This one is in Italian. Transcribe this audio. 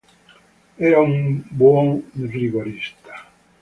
Era un buon rigorista.